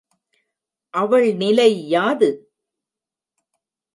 அவள் நிலை யாது?